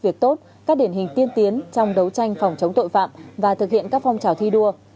việc tốt các điển hình tiên tiến trong đấu tranh phòng chống tội phạm và thực hiện các phong trào thi đua